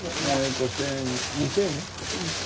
５，０００２，０００。